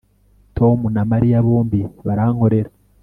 Tom na Mariya bombi barankorera